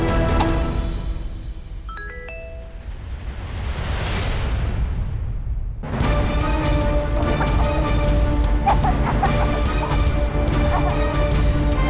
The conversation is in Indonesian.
ya allah ya allah aku harus kemari